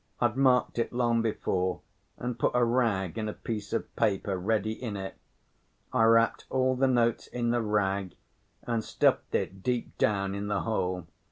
I'd marked it long before and put a rag and a piece of paper ready in it. I wrapped all the notes in the rag and stuffed it deep down in the hole.